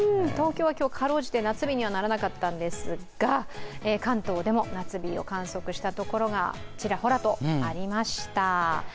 東京は今日、かろうじて夏日にはならなかったんですが、関東でも夏日を観測したところがちらほらとありました。